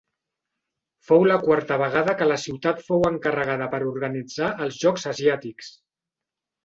Fou la quarta vegada que la ciutat fou encarregada per organitzar els Jocs Asiàtics.